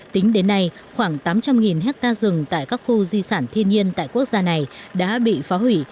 tính đến nay khoảng tám trăm linh hectare rừng tại các khu di sản thiên nhiên tại quốc gia này đã bị phá hủy